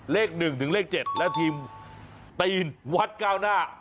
เลข๑ถึงเลข๗และทีมตีนวัดก้าวหน้า